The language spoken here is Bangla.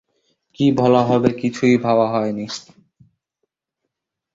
কী বলা হবে কিছুই ভাবা হয় নি।